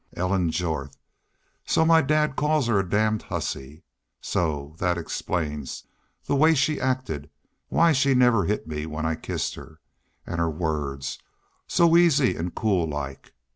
"Ellen Jorth! So my dad calls her a damned hussy! So that explains the the way she acted why she never hit me when I kissed her. An' her words, so easy an' cool like.